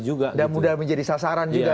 juga dan mudah menjadi sasaran juga